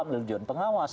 melalui dewan pengawas